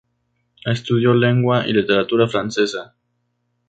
Estudió lengua y literatura francesa.